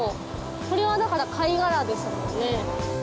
これはだから貝殻ですもんね。